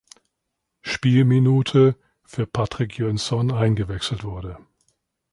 Spielminute für Patrik Jönsson eingewechselt wurde.